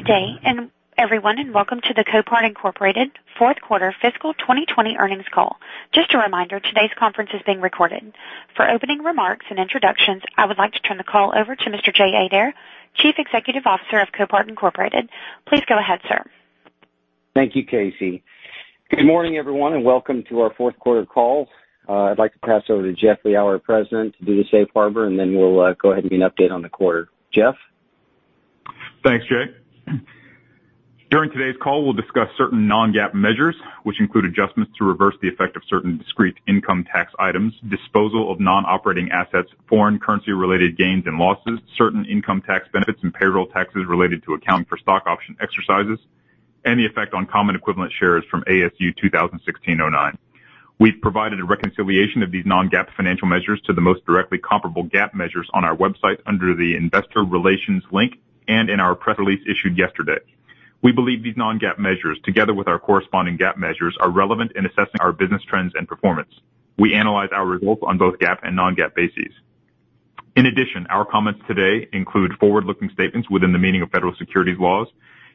Good day everyone, and welcome to the Copart, Inc. Fourth Quarter Fiscal 2020 Earnings Call. Just a reminder, today's conference is being recorded. For opening remarks and introductions, I would like to turn the call over to Mr. Jay Adair, Chief Executive Officer of Copart, Inc. Please go ahead, sir. Thank you, Casey. Good morning, everyone, and welcome to our fourth quarter call. I'd like to pass over to Jeff Liaw, our president, to do the safe harbor, and then we'll go ahead and give you an update on the quarter. Jeff? Thanks, Jay. During today's call, we'll discuss certain non-GAAP measures, which include adjustments to reverse the effect of certain discrete income tax items, disposal of non-operating assets, foreign currency-related gains and losses, certain income tax benefits and payroll taxes related to accounting for stock option exercises, and the effect on common equivalent shares from ASU 2016-09. We've provided a reconciliation of these non-GAAP financial measures to the most directly comparable GAAP measures on our website under the investor relations link and in our press release issued yesterday. We believe these non-GAAP measures, together with our corresponding GAAP measures, are relevant in assessing our business trends and performance. We analyze our results on both GAAP and non-GAAP bases. In addition, our comments today include forward-looking statements within the meaning of federal securities laws,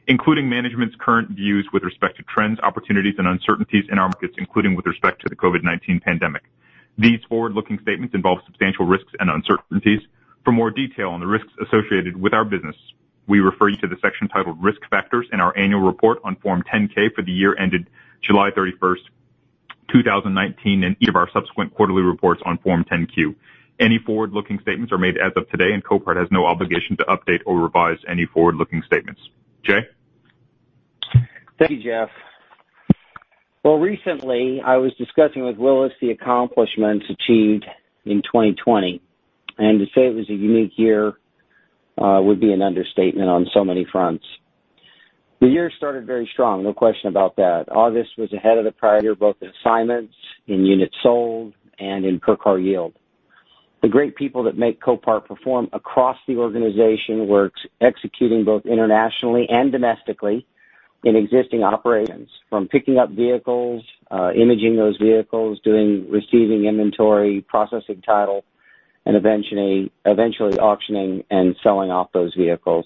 including management's current views with respect to trends, opportunities, and uncertainties in our markets, including with respect to the COVID-19 pandemic. These forward-looking statements involve substantial risks and uncertainties. For more detail on the risks associated with our business, we refer you to the section titled Risk Factors in our annual report on Form 10-K for the year ended July 31st, 2019, and each of our subsequent quarterly reports on Form 10-Q. Any forward-looking statements are made as of today, and Copart has no obligation to update or revise any forward-looking statements. Jay? Thank you, Jeff. Well, recently I was discussing with Willis the accomplishments achieved in 2020, and to say it was a unique year would be an understatement on so many fronts. The year started very strong, no question about that. August was ahead of the prior year, both in assignments, in units sold, and in per car yield. The great people that make Copart perform across the organization were executing both internationally and domestically in existing operations, from picking up vehicles, imaging those vehicles, doing receiving inventory, processing title, and eventually auctioning and selling off those vehicles.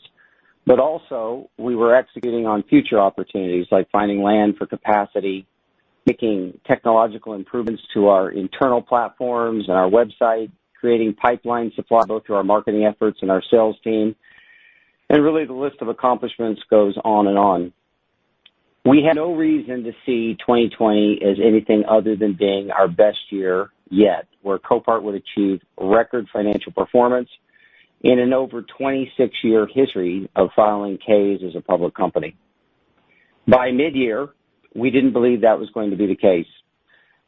Also, we were executing on future opportunities like finding land for capacity, making technological improvements to our internal platforms and our website, creating pipeline supply both through our marketing efforts and our sales team, and really the list of accomplishments goes on and on. We had no reason to see 2020 as anything other than being our best year yet, where Copart would achieve record financial performance in an over 26-year history of filing K's as a public company. By mid-year, we didn't believe that was going to be the case.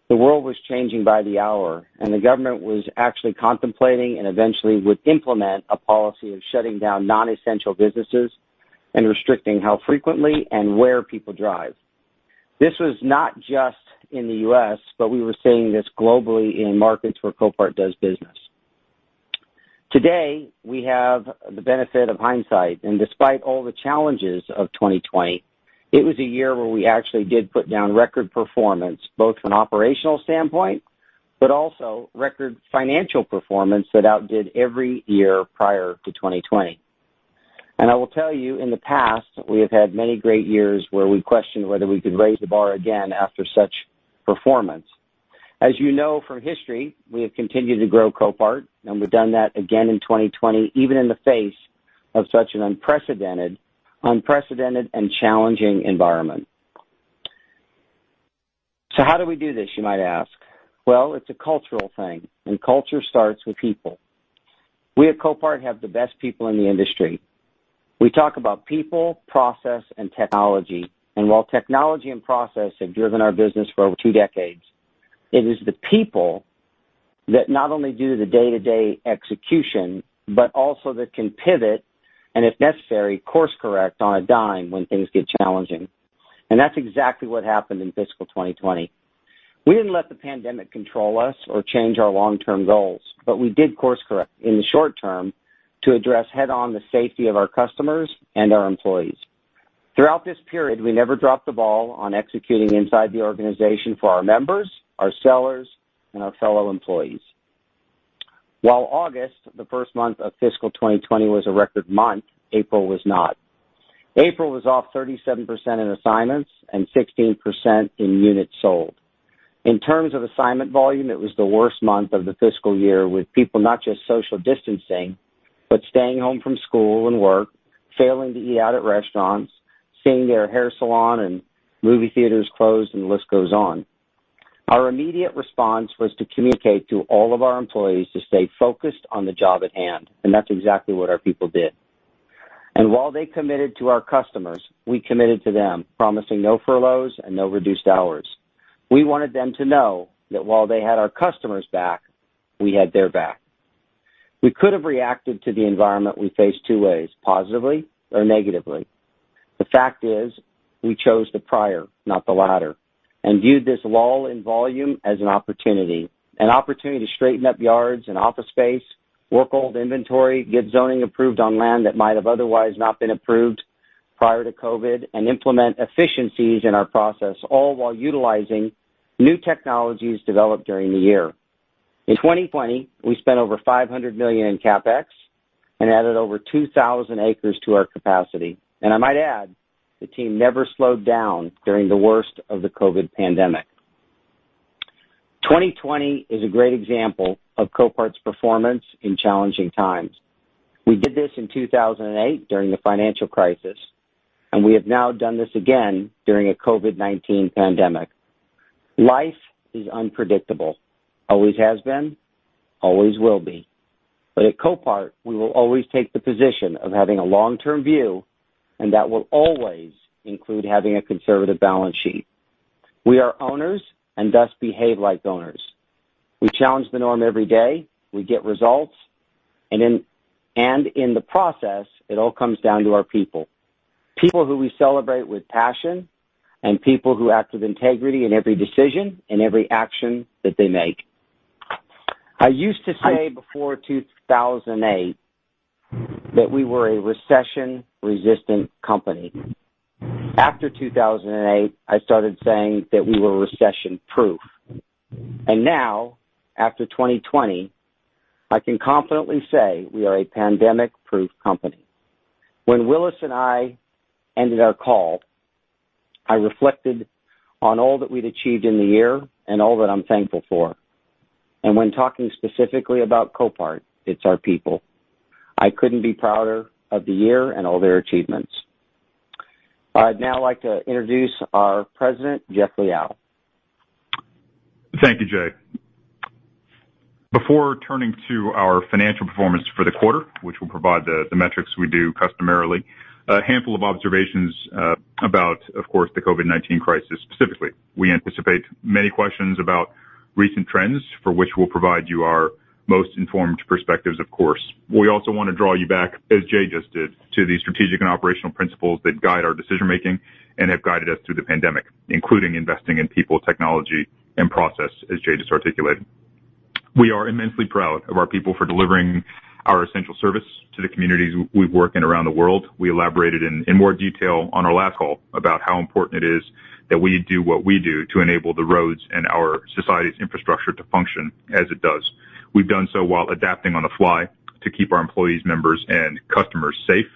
The world was changing by the hour. The government was actually contemplating and eventually would implement a policy of shutting down non-essential businesses and restricting how frequently and where people drive. This was not just in the U.S., but we were seeing this globally in markets where Copart does business. Today, we have the benefit of hindsight. Despite all the challenges of 2020, it was a year where we actually did put down record performance, both from an operational standpoint, but also record financial performance that outdid every year prior to 2020. I will tell you, in the past, we have had many great years where we questioned whether we could raise the bar again after such performance. As you know from history, we have continued to grow Copart, and we've done that again in 2020, even in the face of such an unprecedented and challenging environment. How do we do this, you might ask? Well, it's a cultural thing, and culture starts with people. We at Copart have the best people in the industry. We talk about people, process, and technology, and while technology and process have driven our business for over two decades, it is the people that not only do the day-to-day execution, but also that can pivot and, if necessary, course correct on a dime when things get challenging. That's exactly what happened in fiscal 2020. We didn't let the pandemic control us or change our long-term goals, but we did course correct in the short term to address head-on the safety of our customers and our employees. Throughout this period, we never dropped the ball on executing inside the organization for our members, our sellers, and our fellow employees. While August, the first month of fiscal 2020, was a record month, April was not. April was off 37% in assignments and 16% in units sold. In terms of assignment volume, it was the worst month of the fiscal year with people not just social distancing, but staying home from school and work, failing to eat out at restaurants, seeing their hair salon and movie theaters closed, and the list goes on. Our immediate response was to communicate to all of our employees to stay focused on the job at hand, and that's exactly what our people did. While they committed to our customers, we committed to them, promising no furloughs and no reduced hours. We wanted them to know that while they had our customers' back, we had their back. We could have reacted to the environment we faced two ways, positively or negatively. The fact is, we chose the prior, not the latter, and viewed this lull in volume as an opportunity. An opportunity to straighten up yards and office space, work old inventory, get zoning approved on land that might have otherwise not been approved prior to COVID, and implement efficiencies in our process, all while utilizing new technologies developed during the year. In 2020, we spent over $500 million in CapEx and added over 2,000 acres to our capacity. I might add, the team never slowed down during the worst of the COVID pandemic. 2020 is a great example of Copart's performance in challenging times. We did this in 2008 during the financial crisis, and we have now done this again during a COVID-19 pandemic. Life is unpredictable. Always has been, always will be. At Copart, we will always take the position of having a long-term view, and that will always include having a conservative balance sheet. We are owners and thus behave like owners. We challenge the norm every day, we get results, and in the process, it all comes down to our people. People who we celebrate with passion, and people who act with integrity in every decision and every action that they make. I used to say before 2008 that we were a recession-resistant company. After 2008, I started saying that we were recession-proof. Now, after 2020, I can confidently say we are a pandemic-proof company. When Willis and I ended our call, I reflected on all that we'd achieved in the year and all that I'm thankful for. When talking specifically about Copart, it's our people. I couldn't be prouder of the year and all their achievements. I'd now like to introduce our president, Jeff Liaw. Thank you, Jay. Before turning to our financial performance for the quarter, which will provide the metrics we do customarily, a handful of observations about, of course, the COVID-19 crisis specifically. We anticipate many questions about recent trends, for which we'll provide you our most informed perspectives, of course. We also want to draw you back, as Jay just did, to the strategic and operational principles that guide our decision-making and have guided us through the pandemic, including investing in people, technology, and process, as Jay just articulated. We are immensely proud of our people for delivering our essential service to the communities we work in around the world. We elaborated in more detail on our last call about how important it is that we do what we do to enable the roads and our society's infrastructure to function as it does. We've done so while adapting on the fly to keep our employees, members, and customers safe.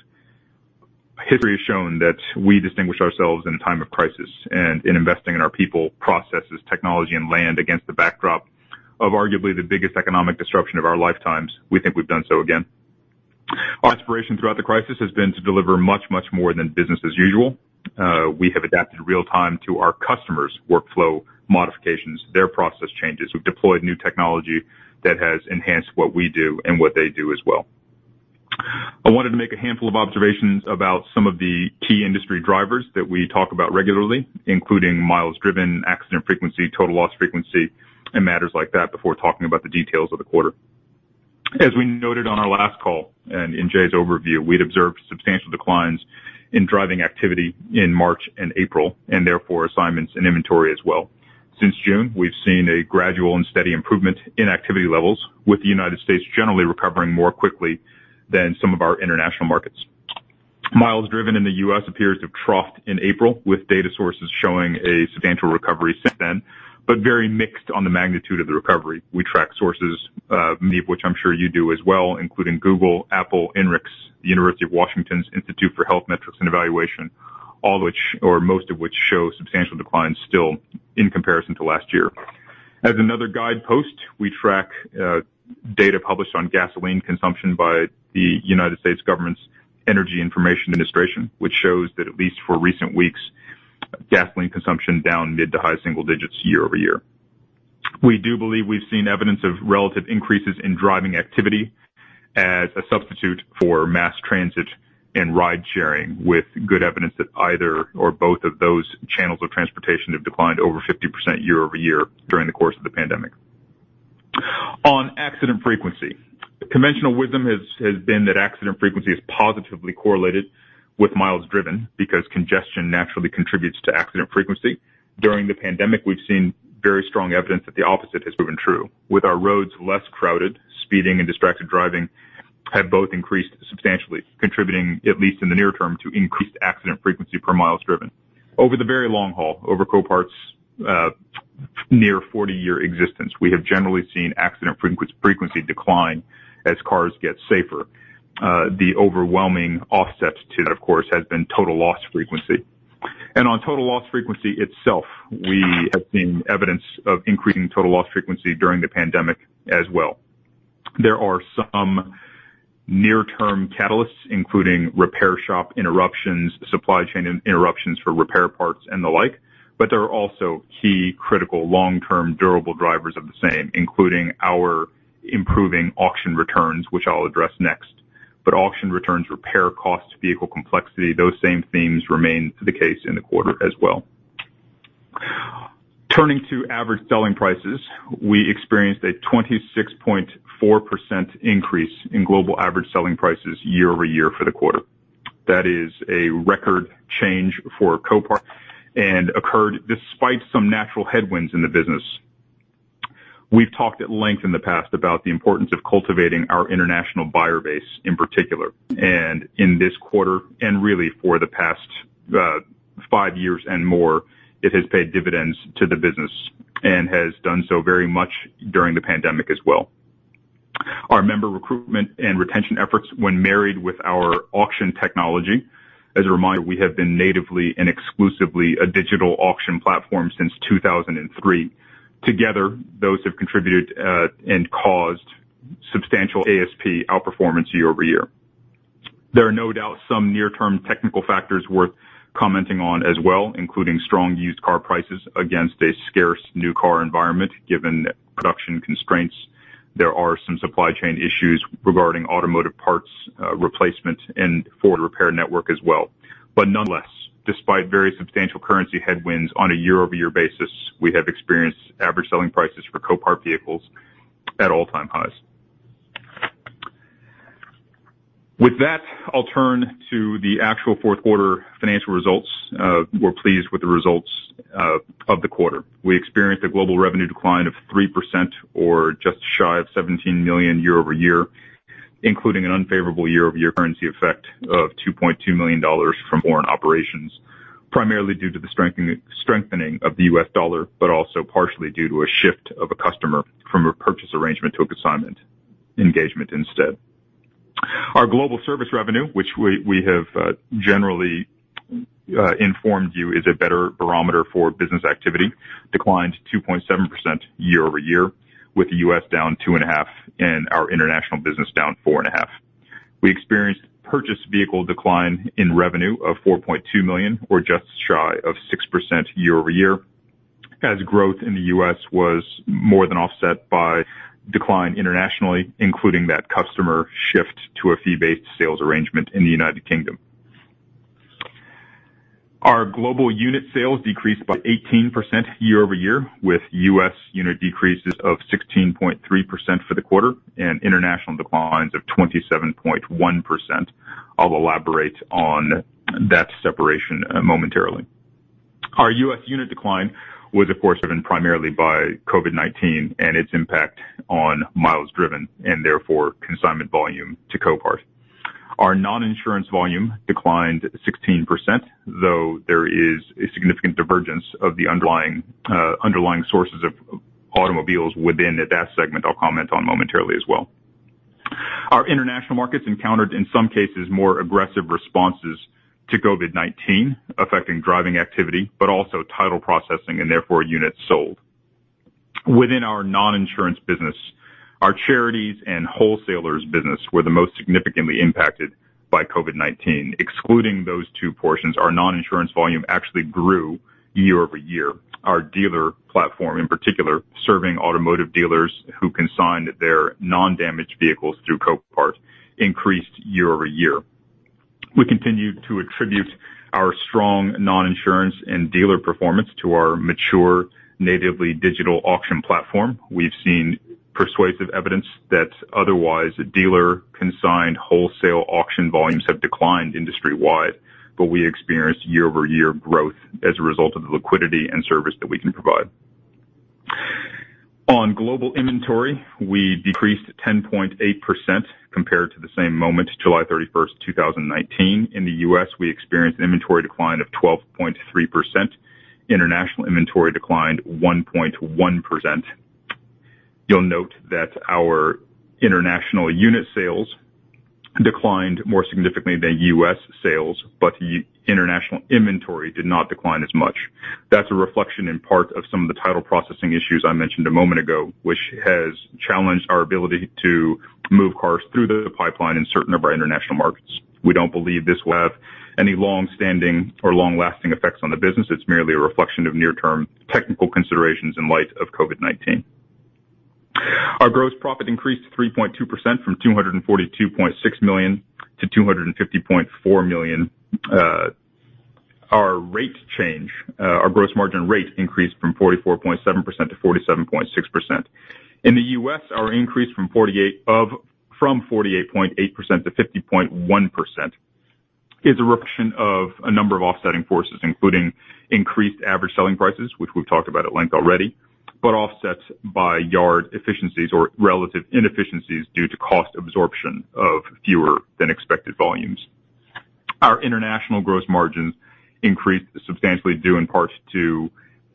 History has shown that we distinguish ourselves in a time of crisis and in investing in our people, processes, technology, and land against the backdrop of arguably the biggest economic disruption of our lifetimes. We think we've done so again. Our aspiration throughout the crisis has been to deliver much, much more than business as usual. We have adapted real time to our customers' workflow modifications, their process changes. We've deployed new technology that has enhanced what we do and what they do as well. I wanted to make a handful of observations about some of the key industry drivers that we talk about regularly, including miles driven, accident frequency, total loss frequency, and matters like that before talking about the details of the quarter. As we noted on our last call and in Jay's overview, we'd observed substantial declines in driving activity in March and April, and therefore assignments and inventory as well. Since June, we've seen a gradual and steady improvement in activity levels, with the United States generally recovering more quickly than some of our international markets. Miles driven in the U.S. appears to have troughed in April, with data sources showing a substantial recovery since then, but very mixed on the magnitude of the recovery. We track sources, many of which I'm sure you do as well, including Google, Apple, INRIX, the University of Washington's Institute for Health Metrics and Evaluation, all which or most of which show substantial declines still in comparison to last year. As another guidepost, we track data published on gasoline consumption by the United States government's Energy Information Administration, which shows that at least for recent weeks, gasoline consumption down mid to high single digits year-over-year. We do believe we've seen evidence of relative increases in driving activity as a substitute for mass transit and ride-sharing, with good evidence that either or both of those channels of transportation have declined over 50% year-over-year during the course of the pandemic. On accident frequency. Conventional wisdom has been that accident frequency is positively correlated with miles driven because congestion naturally contributes to accident frequency. During the pandemic, we've seen very strong evidence that the opposite has proven true. With our roads less crowded, speeding and distracted driving have both increased substantially, contributing at least in the near term to increased accident frequency per miles driven. Over the very long haul, over Copart's near 40-year existence, we have generally seen accident frequency decline as cars get safer. The overwhelming offsets to that, of course, has been total loss frequency. On total loss frequency itself, we have seen evidence of increasing total loss frequency during the pandemic as well. There are some near-term catalysts, including repair shop interruptions, supply chain interruptions for repair parts, and the like. There are also key critical long-term durable drivers of the same, including our improving auction returns, which I'll address next. Auction returns, repair costs, vehicle complexity, those same themes remain the case in the quarter as well. Turning to average selling prices, we experienced a 26.4% increase in global average selling prices year-over-year for the quarter. That is a record change for Copart, and occurred despite some natural headwinds in the business. We've talked at length in the past about the importance of cultivating our international buyer base in particular. In this quarter, and really for the past five years and more, it has paid dividends to the business and has done so very much during the pandemic as well. Our member recruitment and retention efforts when married with our auction technology, as a reminder, we have been natively and exclusively a digital auction platform since 2003. Together, those have contributed and caused substantial average selling pricem outperformance year-over-year. There are no doubt some near-term technical factors worth commenting on as well, including strong used car prices against a scarce new car environment, given production constraints. There are some supply chain issues regarding automotive parts replacement and for repair network as well. Nonetheless, despite very substantial currency headwinds on a year-over-year basis, we have experienced average selling prices for Copart vehicles at all-time highs. With that, I'll turn to the actual fourth quarter financial results. We're pleased with the results of the quarter. We experienced a global revenue decline of 3% or just shy of $17 million year-over-year, including an unfavorable year-over-year currency effect of $2.2 million from foreign operations, primarily due to the strengthening of the U.S. dollar, but also partially due to a shift of a customer from a purchase arrangement to a consignment engagement instead. Our global service revenue, which we have generally informed you is a better barometer for business activity, declined 2.7% year-over-year, with the U.S. down 2.5% and our international business down 4.5%. We experienced purchased vehicle decline in revenue of $4.2 million or just shy of 6% year-over-year, as growth in the U.S. was more than offset by decline internationally, including that customer shift to a fee-based sales arrangement in the United Kingdom. Our global unit sales decreased by 18% year-over-year, with U.S. unit decreases of 16.3% for the quarter and international declines of 27.1%. I'll elaborate on that separation momentarily. Our U.S. unit decline was, of course, driven primarily by COVID-19 and its impact on miles driven, and therefore consignment volume to Copart. Our non-insurance volume declined 16%, though there is a significant divergence of the underlying sources of automobiles within that segment I'll comment on momentarily as well. Our international markets encountered, in some cases, more aggressive responses to COVID-19, affecting driving activity, but also title processing and therefore units sold. Within our non-insurance business, our charities and wholesalers business were the most significantly impacted by COVID-19. Excluding those two portions, our non-insurance volume actually grew year-over-year. Our dealer platform, in particular, serving automotive dealers who consigned their non-damaged vehicles through Copart increased year-over-year. We continue to attribute our strong non-insurance and dealer performance to our mature natively digital auction platform. We've seen persuasive evidence that otherwise dealer consigned wholesale auction volumes have declined industry-wide, but we experienced year-over-year growth as a result of the liquidity and service that we can provide. On global inventory, we decreased 10.8% compared to the same moment, July 31st, 2019. In the U.S., we experienced an inventory decline of 12.3%. International inventory declined 1.1%. You'll note that our international unit sales declined more significantly than U.S. sales, but international inventory did not decline as much. That's a reflection in part of some of the title processing issues I mentioned a moment ago, which has challenged our ability to move cars through the pipeline in certain of our international markets. We don't believe this will have any long-standing or long-lasting effects on the business. It's merely a reflection of near-term technical considerations in light of COVID-19. Our gross profit increased 3.2% from $242.6 million to $250.4 million. Our gross margin rate increased from 44.7% to 47.6%. In the U.S., our increase from 48.8% to 50.1% is a reflection of a number of offsetting forces, including increased average selling prices, which we've talked about at length already, but offsets by yard efficiencies or relative inefficiencies due to cost absorption of fewer than expected volumes. Our international gross margins increased substantially, due in part to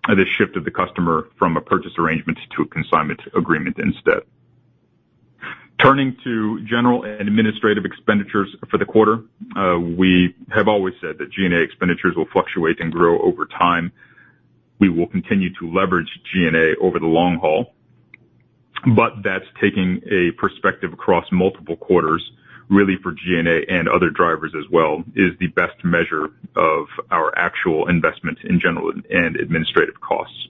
the shift of the customer from a purchase arrangement to a consignment agreement instead. Turning to general and administrative expenditures for the quarter. We have always said that G&A expenditures will fluctuate and grow over time. We will continue to leverage G&A over the long haul, but that's taking a perspective across multiple quarters, really for G&A and other drivers as well, is the best measure of our actual investment in general and administrative costs.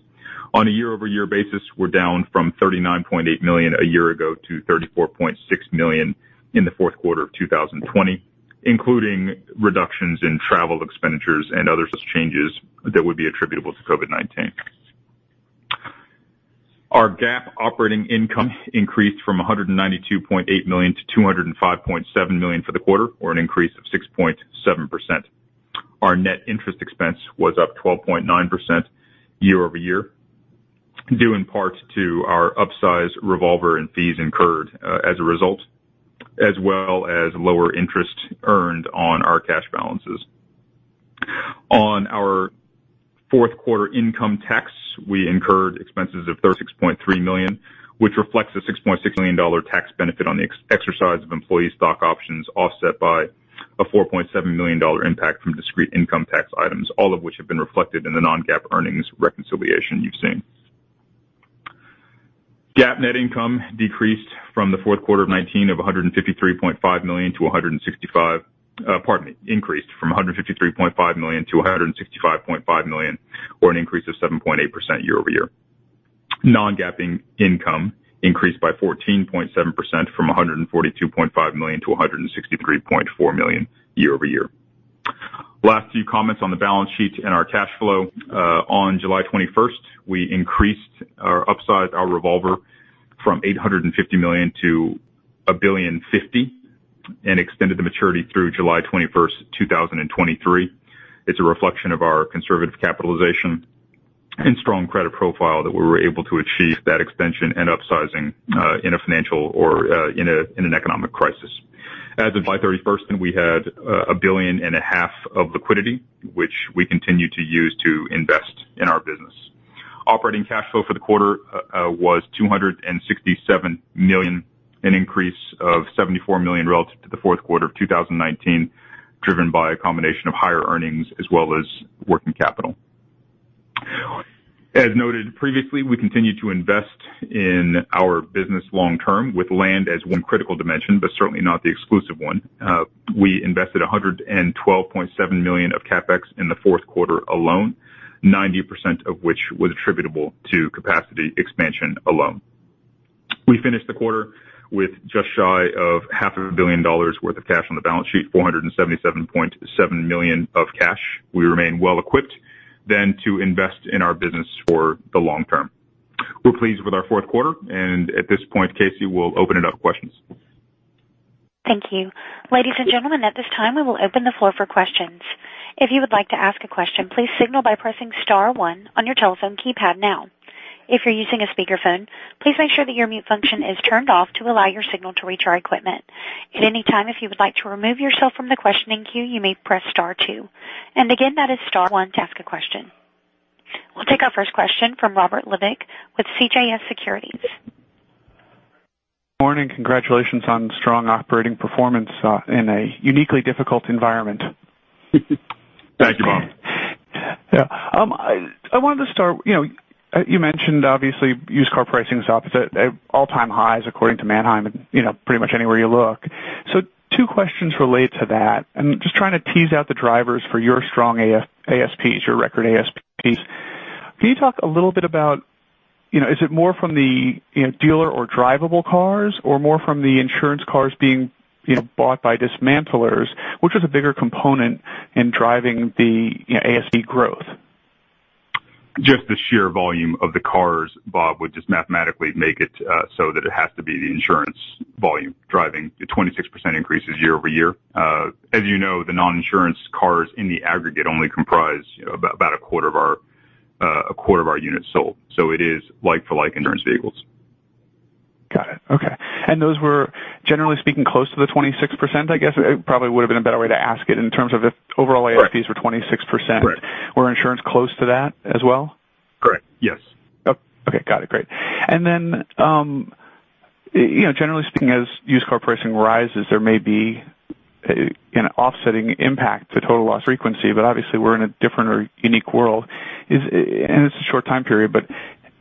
On a year-over-year basis, we're down from $39.8 million a year ago to $34.6 million in the fourth quarter of 2020, including reductions in travel expenditures and other changes that would be attributable to COVID-19. Our GAAP operating income increased from $192.8 million to $205.7 million for the quarter, or an increase of 6.7%. Our net interest expense was up 12.9% year-over-year. Due in part to our upsize revolver and fees incurred as a result, as well as lower interest earned on our cash balances. On our fourth quarter income tax, we incurred expenses of $36.3 million, which reflects a $6.6 million tax benefit on the exercise of employee stock options, offset by a $4.7 million impact from discrete income tax items, all of which have been reflected in the non-GAAP earnings reconciliation you've seen. GAAP net income decreased from the fourth quarter of 2019 of $153.5 million to $165.5 million, or an increase of 7.8% year-over-year. Non-GAAP income increased by 14.7%, from $142.5 million to $163.4 million year-over-year. Last few comments on the balance sheet and our cash flow. On July 21st, we increased or upsized our revolver from $850 million to $1.05 billion and extended the maturity through July 21st, 2023. It's a reflection of our conservative capitalization and strong credit profile that we were able to achieve that extension and upsizing in a financial or in an economic crisis. As of July 31st, we had $1.5 billion of liquidity, which we continue to use to invest in our business. Operating cash flow for the quarter was $267 million, an increase of $74 million relative to the fourth quarter of 2019, driven by a combination of higher earnings as well as working capital. As noted previously, we continue to invest in our business long term with land as one critical dimension, but certainly not the exclusive one. We invested $112.7 million of CapEx in the fourth quarter alone, 90% of which was attributable to capacity expansion alone. We finished the quarter with just shy of half a billion dollars worth of cash on the balance sheet, $477.7 million of cash. We remain well equipped, then, to invest in our business for the long term. We're pleased with our fourth quarter, and at this point, Casey will open it up to questions. Thank you. Ladies and gentlemen, at this time, we will open the floor for questions. If you would like to ask a question, please signal by pressing star one on your telephone keypad now. If you're using a speakerphone, please make sure that your mute function is turned off to allow your signal to reach our equipment. At any time, if you would like to remove yourself from the questioning queue, you may press star two. Again, that is star one to ask a question. We'll take our first question from Robert Labick with CJS Securities. Morning. Congratulations on strong operating performance in a uniquely difficult environment. Thank you, Robert. Yeah. I wanted to start, you mentioned obviously used car pricing is up. It's at all-time highs according to Manheim and pretty much anywhere you look. Two questions relate to that. I'm just trying to tease out the drivers for your strong ASPs, your record ASPs. Can you talk a little bit about, is it more from the dealer or drivable cars or more from the insurance cars being bought by dismantlers? Which is a bigger component in driving the ASP growth? Just the sheer volume of the cars, Robert, would just mathematically make it so that it has to be the insurance volume driving the 26% increases year-over-year. As you know, the non-insurance cars in the aggregate only comprise about a quarter of our units sold. It is like for like insurance vehicles. Got it. Okay. Those were, generally speaking, close to the 26%, I guess? Probably would've been a better way to ask it in terms of if overall ASPs were 26% were insurance close to that as well? Correct. Yes. Oh, okay. Got it. Great. Generally speaking, as used car pricing rises, there may be an offsetting impact to total loss frequency, but obviously we're in a different or unique world. It's a short time period, but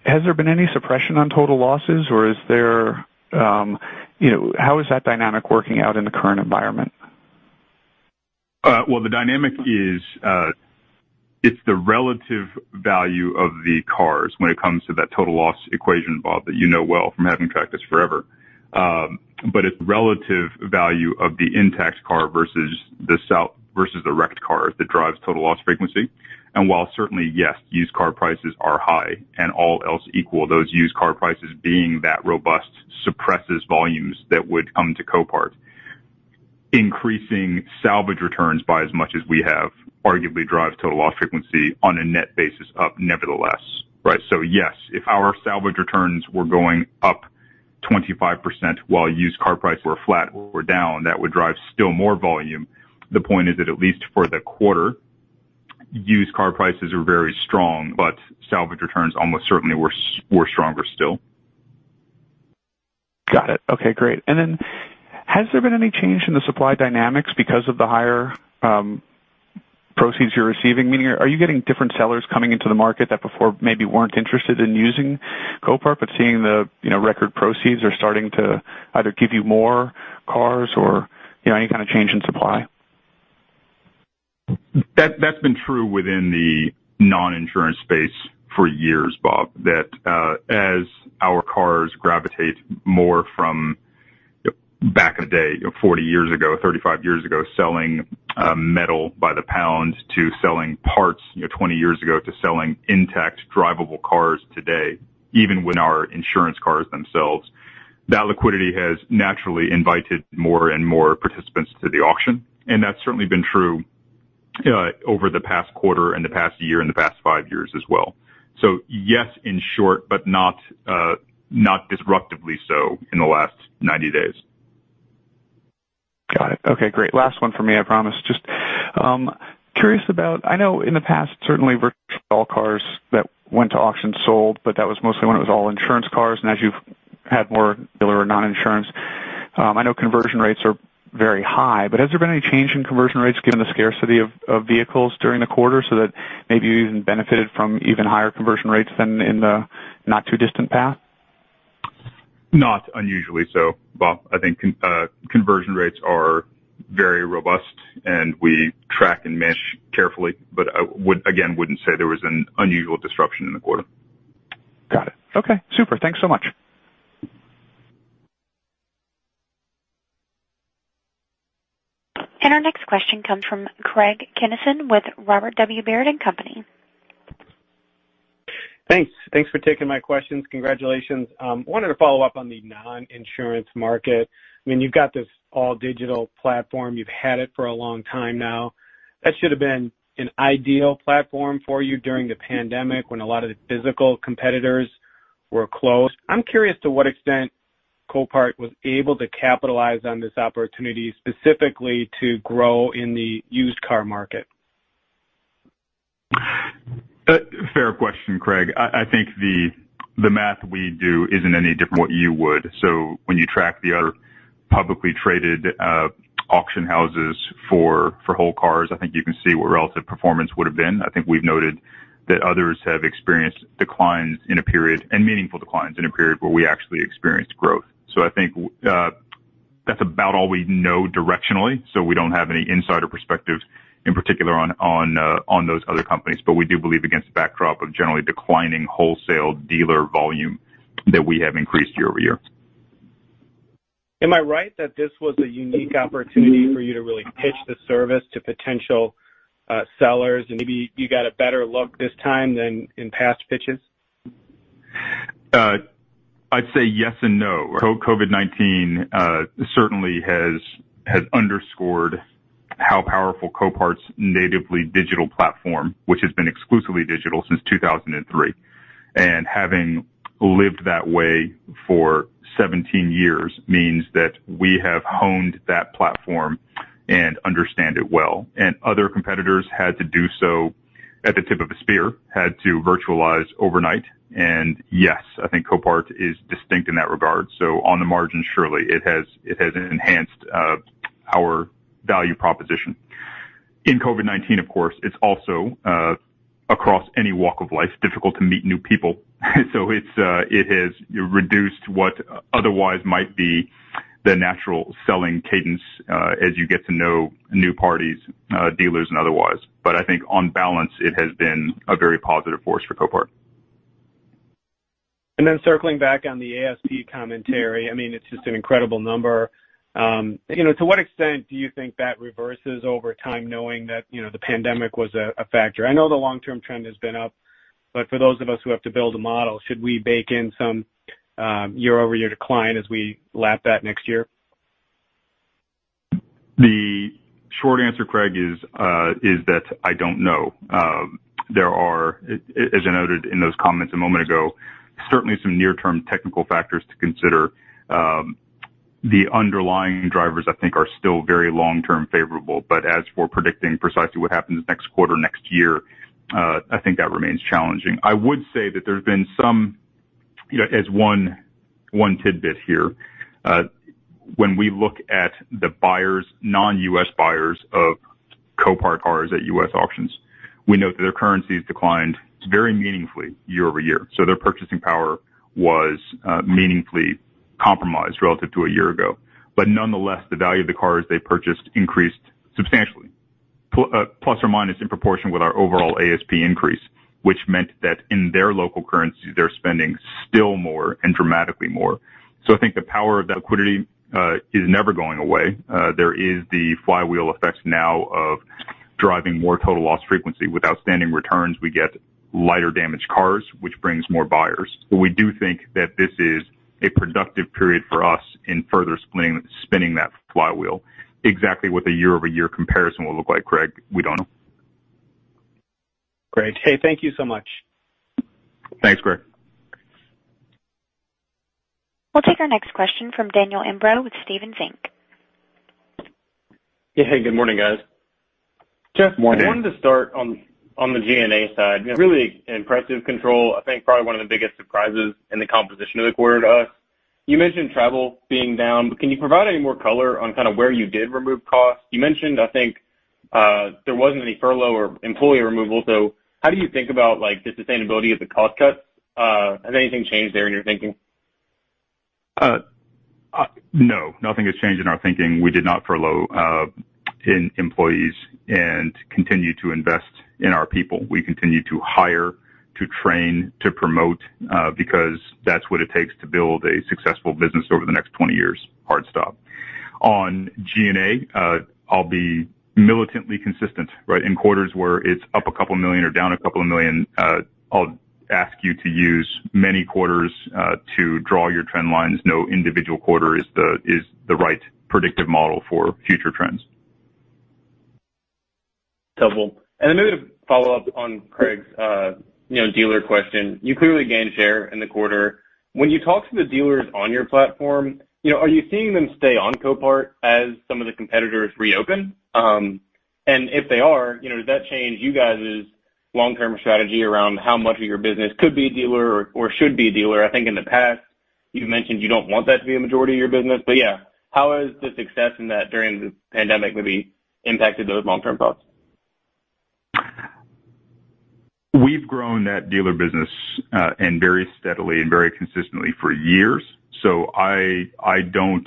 has there been any suppression on total losses or how is that dynamic working out in the current environment? The dynamic is it's the relative value of the cars when it comes to that total loss equation, Robert, that you know well from having tracked this forever. It's relative value of the intact car versus the wrecked car that drives total loss frequency. While certainly, yes, used car prices are high and all else equal, those used car prices being that robust suppresses volumes that would come to Copart. Increasing salvage returns by as much as we have arguably drives total loss frequency on a net basis up nevertheless, right? Yes, if our salvage returns were going up 25% while used car prices were flat or down, that would drive still more volume. The point is that at least for the quarter, used car prices are very strong, but salvage returns almost certainly were stronger still. Got it. Okay, great. Has there been any change in the supply dynamics because of the higher proceeds you're receiving? Meaning, are you getting different sellers coming into the market that before maybe weren't interested in using Copart, but seeing the record proceeds are starting to either give you more cars or any kind of change in supply? That's been true within the non-insurance space for years, Bob, that as our cars gravitate more from back in the day, 40 years ago, 35 years ago, selling metal by the pound to selling parts 20 years ago to selling intact drivable cars today, even when our insurance cars themselves, that liquidity has naturally invited more and more participants to the auction. That's certainly been true over the past quarter, and the past year, and the past five years as well. Yes, in short, but not disruptively so in the last 90 days. Got it. Okay, great. Last one for me, I promise. Just curious about, I know in the past, certainly virtual cars that went to auction sold, but that was mostly when it was all insurance cars, and as you've had more dealer or non-insurance, I know conversion rates are very high, but has there been any change in conversion rates given the scarcity of vehicles during the quarter so that maybe you even benefited from even higher conversion rates than in the not too distant past? Not unusually so. Robert, I think conversion rates are very robust and we track and mesh carefully, but I, again, wouldn't say there was an unusual disruption in the quarter. Got it. Okay. Super. Thanks so much. Our next question comes from Craig Kennison with Robert W. Baird & Co. Thanks. Thanks for taking my questions. Congratulations. Wanted to follow up on the non-insurance market. You've got this all digital platform. You've had it for a long time now. That should have been an ideal platform for you during the pandemic when a lot of the physical competitors were closed. I'm curious to what extent Copart was able to capitalize on this opportunity specifically to grow in the used car market. Fair question, Craig. I think the math we do isn't any different what you would. When you track the other publicly traded auction houses for whole cars, I think you can see where relative performance would've been. I think we've noted that others have experienced declines in a period, meaningful declines in a period where we actually experienced growth. I think that's about all we know directionally. We don't have any insider perspectives in particular on those other companies. We do believe against the backdrop of generally declining wholesale dealer volume that we have increased year-over-year. Am I right that this was a unique opportunity for you to really pitch the service to potential sellers, and maybe you got a better look this time than in past pitches? I'd say yes and no. COVID-19 certainly has underscored how powerful Copart's natively digital platform, which has been exclusively digital since 2003. Having lived that way for 17 years means that we have honed that platform and understand it well. Other competitors had to do so at the tip of a spear, had to virtualize overnight. Yes, I think Copart is distinct in that regard. On the margin, surely it has enhanced our value proposition. In COVID-19, of course, it's also, across any walk of life, difficult to meet new people. It has reduced what otherwise might be the natural selling cadence as you get to know new parties, dealers, and otherwise. I think on balance, it has been a very positive force for Copart. Circling back on the ASP commentary, it's just an incredible number. To what extent do you think that reverses over time knowing that the pandemic was a factor? I know the long-term trend has been up, but for those of us who have to build a model, should we bake in some year-over-year decline as we lap that next year? The short answer, Craig, is that I don't know. There are, as I noted in those comments a moment ago, certainly some near-term technical factors to consider. The underlying drivers I think are still very long-term favorable, as for predicting precisely what happens next quarter, next year, I think that remains challenging. I would say that there's been some, as one tidbit here, when we look at the buyers, non-U.S. buyers of Copart cars at U.S. auctions, we note that their currency has declined very meaningfully year-over-year. Their purchasing power was meaningfully compromised relative to a year ago. Nonetheless, the value of the cars they purchased increased substantially, plus or minus in proportion with our overall ASP increase, which meant that in their local currency, they're spending still more and dramatically more. I think the power of that liquidity is never going away. There is the flywheel effect now of driving more total loss frequency. With outstanding returns, we get lighter damaged cars, which brings more buyers. We do think that this is a productive period for us in further spinning that flywheel. Exactly what the year-over-year comparison will look like, Craig, we don't know. Great. Hey, thank you so much. Thanks, Craig. We'll take our next question from Daniel Imbro with Stephens Inc. Hey, good morning, guys. Morning. Jeff, I wanted to start on the G&A side. Really impressive control. I think probably one of the biggest surprises in the composition of the quarter to us. You mentioned travel being down, can you provide any more color on kind of where you did remove costs? You mentioned, I think, there wasn't any furlough or employee removal. How do you think about the sustainability of the cost cuts? Has anything changed there in your thinking? No. Nothing has changed in our thinking. We did not furlough employees and continue to invest in our people. We continue to hire, to train, to promote because that's what it takes to build a successful business over the next 20 years. Hard stop. On G&A, I'll be militantly consistent, right? In quarters where it's up $2 million or down $2 million, I'll ask you to use many quarters to draw your trend lines. No individual quarter is the right predictive model for future trends. Trouble. Maybe to follow up on Craig's dealer question, you clearly gained share in the quarter. When you talk to the dealers on your platform, are you seeing them stay on Copart as some of the competitors reopen? If they are, does that change you guys' long-term strategy around how much of your business could be dealer or should be dealer? I think in the past you've mentioned you don't want that to be a majority of your business. Yeah, how has the success in that during the pandemic maybe impacted those long-term thoughts? We've grown that dealer business, and very steadily and very consistently for years. We don't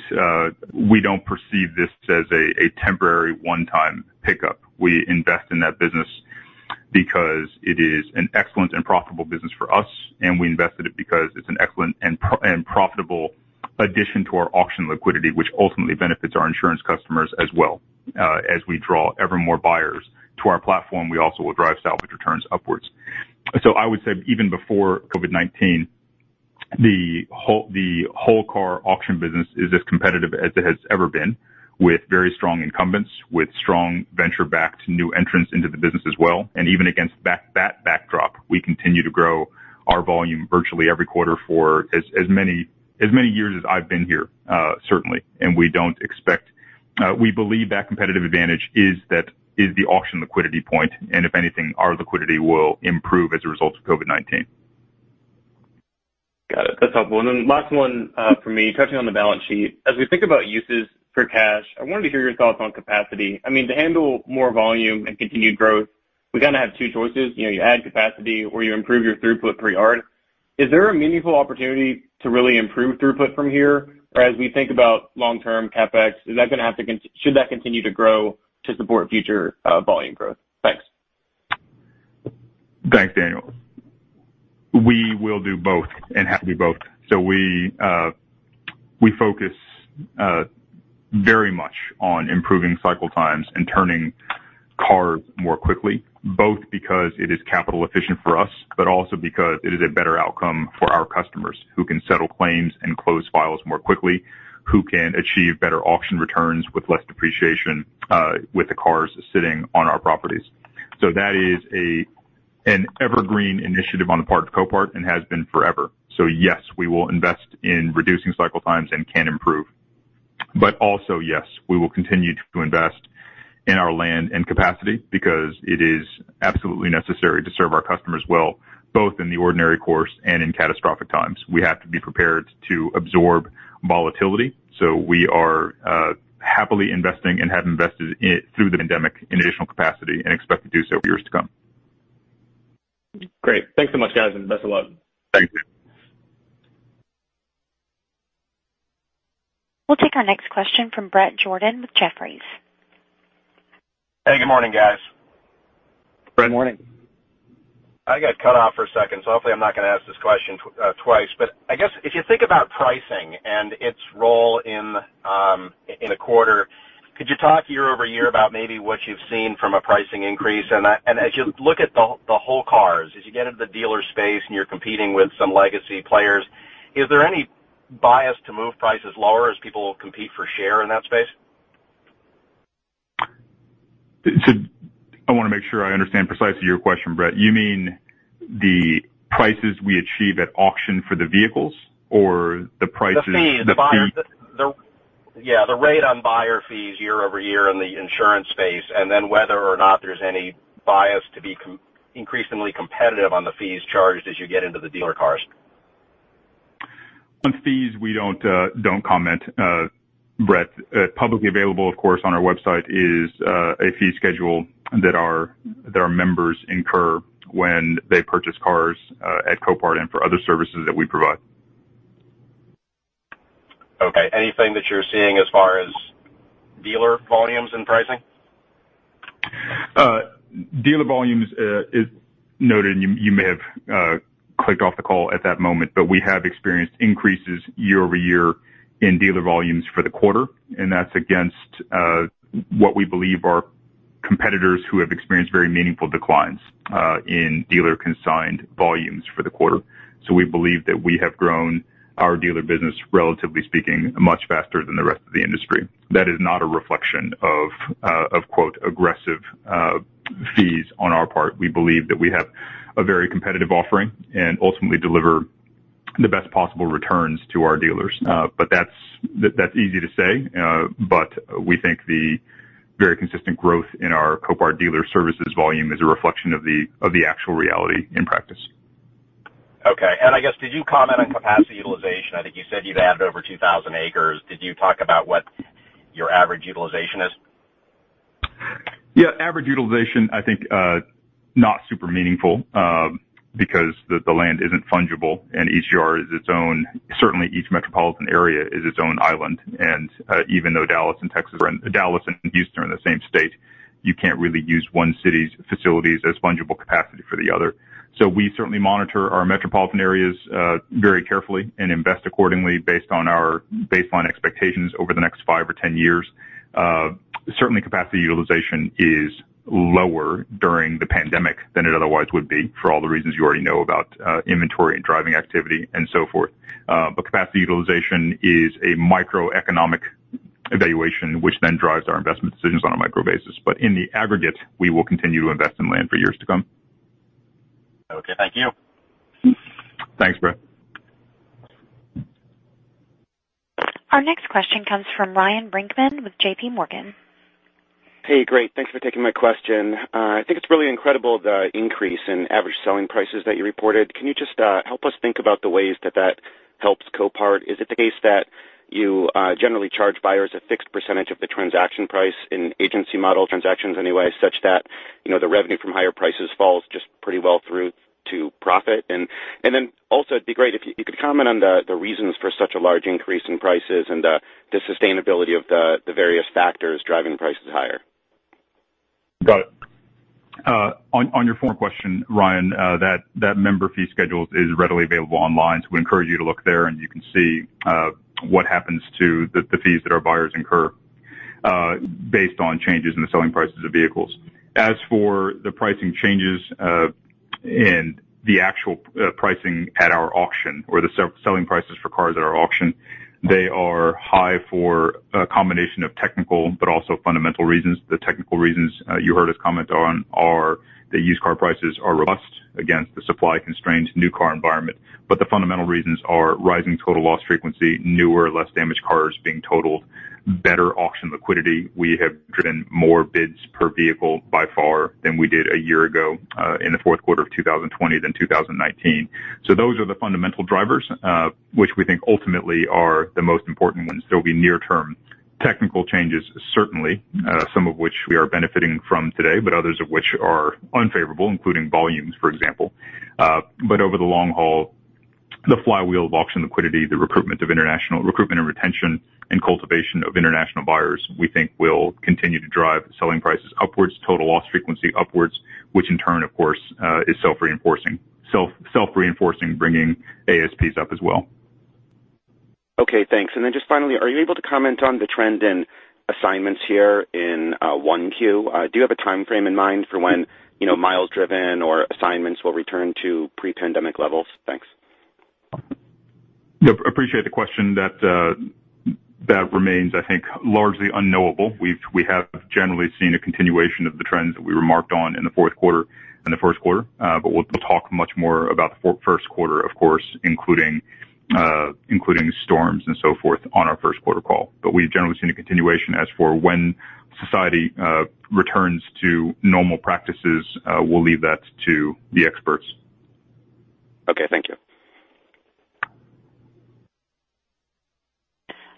perceive this as a temporary one-time pickup. We invest in that business because it is an excellent and profitable business for us, and we invested it because it's an excellent and profitable addition to our auction liquidity, which ultimately benefits our insurance customers as well. As we draw ever more buyers to our platform, we also will drive salvage returns upwards. I would say even before COVID-19, the whole car auction business is as competitive as it has ever been, with very strong incumbents, with strong venture-backed new entrants into the business as well. Even against that backdrop, we continue to grow our volume virtually every quarter for as many years as I've been here, certainly. We believe that competitive advantage is the auction liquidity point, and if anything, our liquidity will improve as a result of COVID-19. Got it. That's helpful. Last one from me, touching on the balance sheet. As we think about uses for cash, I wanted to hear your thoughts on capacity. To handle more volume and continued growth, we kind of have two choices. You add capacity or you improve your throughput pretty hard. Is there a meaningful opportunity to really improve throughput from here? As we think about long-term CapEx, should that continue to grow to support future volume growth? Thanks. Thanks, Daniel. We will do both and have to do both. We focus very much on improving cycle times and turning cars more quickly, both because it is capital efficient for us, but also because it is a better outcome for our customers who can settle claims and close files more quickly, who can achieve better auction returns with less depreciation with the cars sitting on our properties. That is an evergreen initiative on the part of Copart and has been forever. Yes, we will invest in reducing cycle times and can improve. Also, yes, we will continue to invest in our land and capacity because it is absolutely necessary to serve our customers well, both in the ordinary course and in catastrophic times. We have to be prepared to absorb volatility. We are happily investing and have invested through the pandemic in additional capacity and expect to do so for years to come. Great. Thanks so much, guys, and best of luck. Thank you. We'll take our next question from Bret Jordan with Jefferies. Hey, good morning, guys. Good morning. I got cut off for a second, so hopefully I'm not going to ask this question twice. I guess if you think about pricing and its role in the quarter, could you talk year-over-year about maybe what you've seen from a pricing increase? As you look at the whole cars, as you get into the dealer space and you're competing with some legacy players, is there any bias to move prices lower as people compete for share in that space? I want to make sure I understand precisely your question, Bret. You mean the prices we achieve at auction for the vehicles or the prices? The fee. Yeah, the rate on buyer fees year-over-year in the insurance space, and then whether or not there's any bias to be increasingly competitive on the fees charged as you get into the dealer cars. On fees, we don't comment, Bret. Publicly available, of course, on our website is a fee schedule that our members incur when they purchase cars at Copart and for other services that we provide. Okay. Anything that you're seeing as far as dealer volumes and pricing? Dealer volumes is noted, and you may have clicked off the call at that moment, but we have experienced increases year-over-year in dealer volumes for the quarter, and that's against what we believe are competitors who have experienced very meaningful declines in dealer consigned volumes for the quarter. We believe that we have grown our dealer business, relatively speaking, much faster than the rest of the industry. That is not a reflection of aggressive fees on our part. We believe that we have a very competitive offering and ultimately deliver the best possible returns to our dealers. That's easy to say, but we think the very consistent growth in our Copart Dealer Services volume is a reflection of the actual reality in practice. Okay. I guess, did you comment on capacity utilization? I think you said you've added over 2,000 acres. Did you talk about what your average utilization is? Yeah. Average utilization, I think, not super meaningful because the land isn't fungible and each yard is its own. Certainly, each metropolitan area is its own island. Even though Dallas and Houston are in the same state, you can't really use one city's facilities as fungible capacity for the other. We certainly monitor our metropolitan areas very carefully and invest accordingly based on expectations over the next five or 10 years. Certainly, capacity utilization is lower during the pandemic than it otherwise would be for all the reasons you already know about inventory and driving activity and so forth. Capacity utilization is a microeconomic evaluation which then drives our investment decisions on a micro basis. In the aggregate, we will continue to invest in land for years to come. Okay, thank you. Thanks, Bret. Our next question comes from Ryan Brinkman with JPMorgan. Hey, great. Thanks for taking my question. I think it's really incredible the increase in average selling prices that you reported. Can you just help us think about the ways that that helps Copart? Is it the case that you generally charge buyers a fixed percentage of the transaction price in agency model transactions anyway, such that, the revenue from higher prices falls just pretty well through to profit? Also, it'd be great if you could comment on the reasons for such a large increase in prices and the sustainability of the various factors driving prices higher. Got it. On your former question, Ryan, that member fee schedule is readily available online, so we encourage you to look there, and you can see what happens to the fees that our buyers incur based on changes in the selling prices of vehicles. As for the pricing changes and the actual pricing at our auction or the selling prices for cars at our auction, they are high for a combination of technical but also fundamental reasons. The technical reasons you heard us comment on are that used car prices are robust against the supply-constrained new car environment. The fundamental reasons are rising total loss frequency, newer, less damaged cars being totaled, better auction liquidity. We have driven more bids per vehicle by far than we did a year ago in the fourth quarter of 2020 than 2019. Those are the fundamental drivers, which we think ultimately are the most important ones. There'll be near-term technical changes, certainly some of which we are benefiting from today, but others of which are unfavorable, including volumes, for example. Over the long haul, the flywheel of auction liquidity, the recruitment and retention and cultivation of international buyers, we think will continue to drive selling prices upwards, total loss frequency upwards, which in turn, of course, is self-reinforcing, bringing ASPs up as well. Okay, thanks. Just finally, are you able to comment on the trend in assignments here in 1Q? Do you have a timeframe in mind for when miles driven or assignments will return to pre-pandemic levels? Thanks. Yep, appreciate the question. That remains, I think, largely unknowable. We have generally seen a continuation of the trends that we remarked on in the fourth quarter and the first quarter. We'll talk much more about the first quarter, of course, including storms and so forth, on our first quarter call. We've generally seen a continuation. As for when society returns to normal practices, we'll leave that to the experts. Okay, thank you.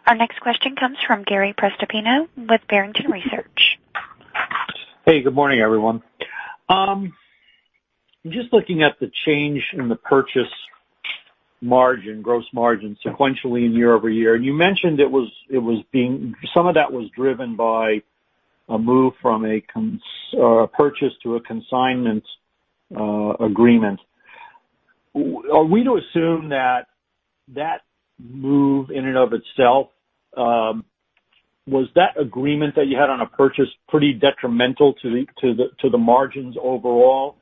Our next question comes from Gary Prestopino with Barrington Research. Hey, good morning, everyone. Just looking at the change in the purchase margin, gross margin sequentially and year-over-year. You mentioned some of that was driven by a move from a purchase to a consignment agreement. Are we to assume that that move in and of itself, was that agreement that you had on a purchase pretty detrimental to the margins overall,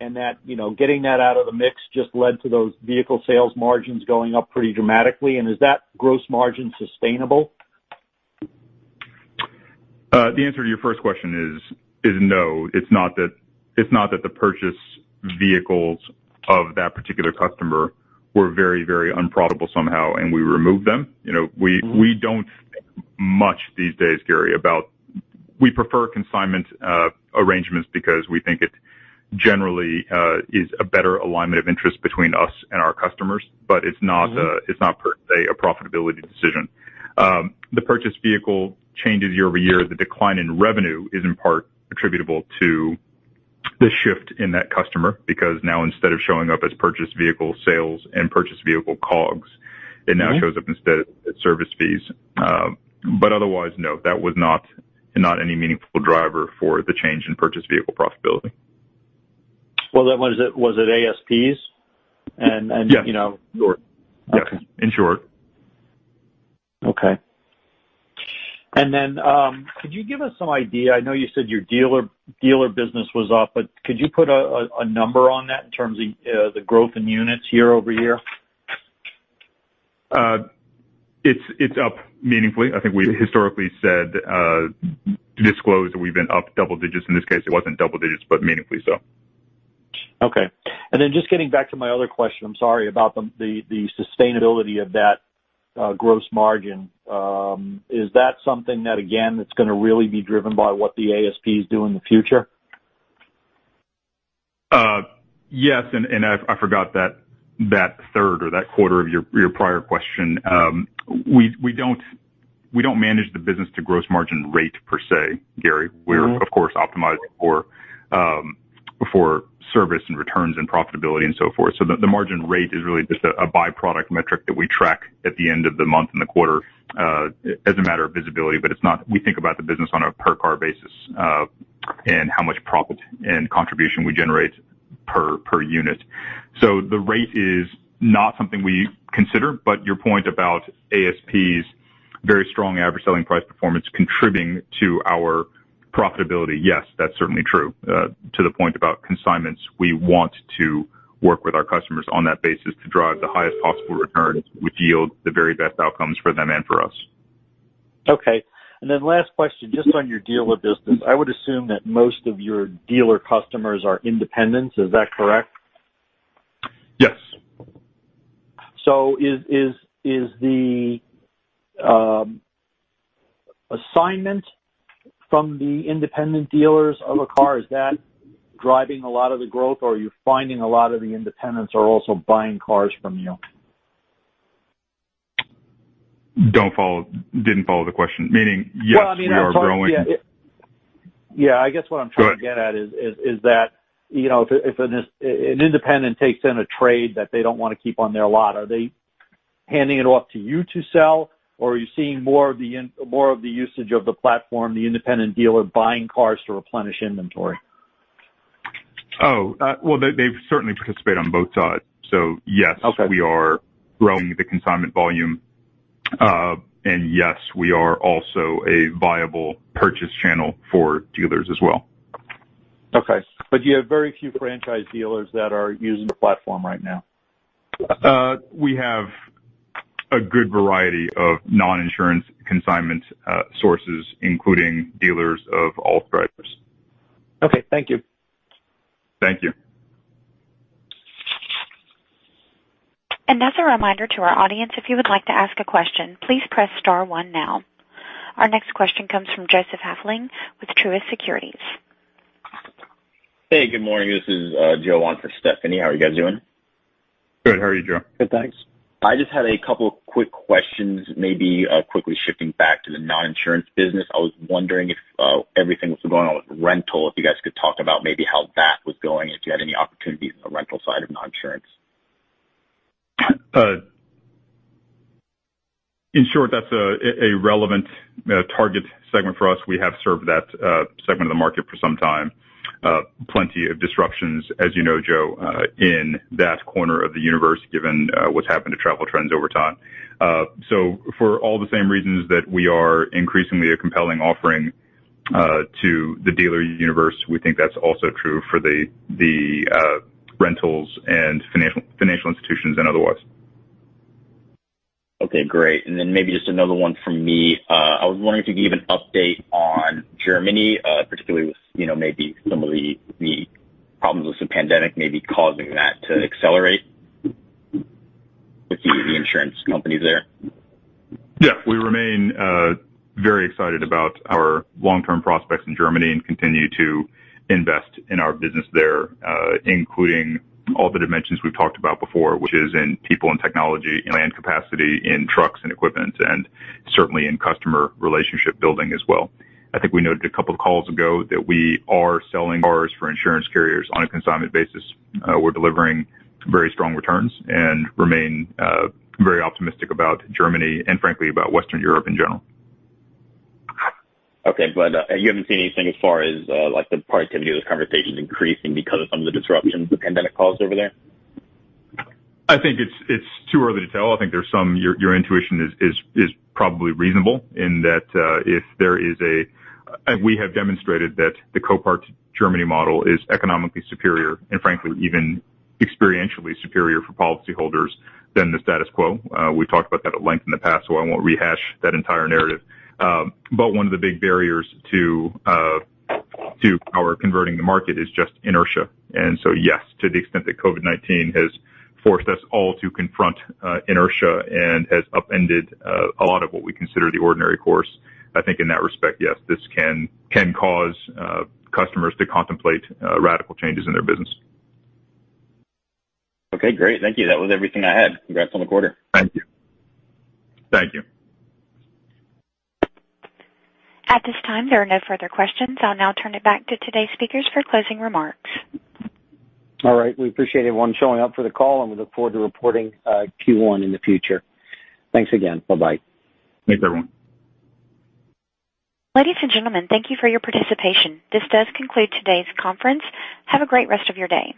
and that getting that out of the mix just led to those vehicle sales margins going up pretty dramatically, and is that gross margin sustainable? The answer to your first question is no. It's not that the purchase vehicles of that particular customer were very unprofitable somehow, and we removed them. We don't think much these days, Gary, we prefer consignment arrangements because we think it generally is a better alignment of interest between us and our customers. It's not per se a profitability decision. The purchase vehicle changes year-over-year. The decline in revenue is in part attributable to the shift in that customer, because now instead of showing up as purchased vehicle sales and purchased vehicle cost of goods sold, it now shows up instead as service fees. Otherwise, no, that was not any meaningful driver for the change in purchased vehicle profitability. Well, was it ASPs? Yes. Okay. Yes. In short. Okay. Could you give us some idea, I know you said your dealer business was up, but could you put a number on that in terms of the growth in units year-over-year? It's up meaningfully. I think we historically said, disclosed that we've been up double digits. In this case, it wasn't double digits, but meaningfully so. Okay. Just getting back to my other question, I'm sorry, about the sustainability of that gross margin. Is that something that, again, that's going to really be driven by what the ASPs do in the future? Yes, I forgot that third or that quarter of your prior question. We don't manage the business to gross margin rate per se, Gary. We're of course optimizing for service and returns and profitability and so forth. The margin rate is really just a byproduct metric that we track at the end of the month and the quarter as a matter of visibility. We think about the business on a per car basis and how much profit and contribution we generate per unit. The rate is not something we consider, but your point about ASPs, very strong average selling price performance contributing to our profitability. Yes, that's certainly true. To the point about consignments, we want to work with our customers on that basis to drive the highest possible returns, which yield the very best outcomes for them and for us. Okay. Last question, just on your dealer business. I would assume that most of your dealer customers are independents. Is that correct? Yes. Is the assignment from the independent dealers of a car, is that driving a lot of the growth, or are you finding a lot of the independents are also buying cars from you? Didn't follow the question. Meaning, yes, we are growing. Yeah, I guess what I'm trying to get at is that, if an independent takes in a trade that they don't want to keep on their lot, are they handing it off to you to sell, or are you seeing more of the usage of the platform, the independent dealer buying cars to replenish inventory? Oh. Well, they certainly participate on both sides. Okay. We are growing the consignment volume, and yes, we are also a viable purchase channel for dealers as well. Okay. You have very few franchise dealers that are using the platform right now? We have a good variety of non-insurance consignment sources, including dealers of all stripes. Okay. Thank you. Thank you. As a reminder to our audience, if you would like to ask a question, please press star one now. Our next question comes from Joseph Hafling with Truist Securities. Hey, good morning. This is Joseph Hafling on for Stephanie. How are you guys doing? Good. How are you, Joseph? Good, thanks. I just had a couple of quick questions, maybe quickly shifting back to the non-insurance business. I was wondering if everything was going on with rental, if you guys could talk about maybe how that was going, if you had any opportunities on the rental side of non-insurance. In short, that's a relevant target segment for us. We have served that segment of the market for some time. Plenty of disruptions, as you know, Joseph, in that corner of the universe, given what's happened to travel trends over time. For all the same reasons that we are increasingly a compelling offering to the dealer universe, we think that's also true for the rentals and financial institutions, and otherwise. Okay, great. Maybe just another one from me. I was wondering if you could give an update on Germany, particularly with maybe some of the problems with the pandemic maybe causing that to accelerate with the insurance companies there? We remain very excited about our long-term prospects in Germany and continue to invest in our business there, including all the dimensions we've talked about before, which is in people and technology and land capacity, in trucks and equipment, and certainly in customer relationship building as well. I think we noted a couple of calls ago that we are selling cars for insurance carriers on a consignment basis. We're delivering very strong returns and remain very optimistic about Germany and frankly, about Western Europe in general. Okay. You haven't seen anything as far as the productivity of those conversations increasing because of some of the disruptions the pandemic caused over there? I think it's too early to tell. I think your intuition is probably reasonable in that we have demonstrated that the Copart Germany model is economically superior and frankly, even experientially superior for policyholders than the status quo. We talked about that at length in the past, so I won't rehash that entire narrative. One of the big barriers to our converting the market is just inertia. Yes, to the extent that COVID-19 has forced us all to confront inertia and has upended a lot of what we consider the ordinary course, I think in that respect, yes, this can cause customers to contemplate radical changes in their business. Okay, great. Thank you. That was everything I had. Congrats on the quarter. Thank you. Thank you. At this time, there are no further questions. I'll now turn it back to today's speakers for closing remarks. All right. We appreciate everyone showing up for the call, and we look forward to reporting Q1 in the future. Thanks again. Bye-bye. Thanks, everyone. Ladies and gentlemen, thank you for your participation. This does conclude today's conference. Have a great rest of your day.